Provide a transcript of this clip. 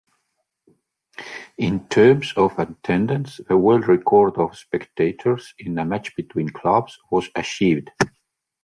In terms of attendance the world record of spectators in a match between clubs was achieved.